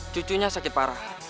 cucunya sakit parah